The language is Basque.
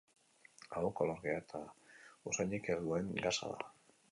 Hau, kolorgea eta usainik ez duen gasa da.